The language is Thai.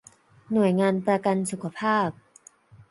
หน่วยงานประกันสุขภาพ